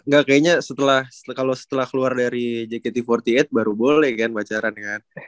gak kayaknya kalau setelah keluar dari jkt empat puluh delapan baru boleh kan pacaran kan